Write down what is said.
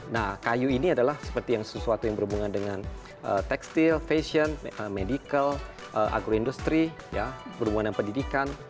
nah kayu ini adalah seperti sesuatu yang berhubungan dengan tekstil fashion medical agroindustri berhubungan dengan pendidikan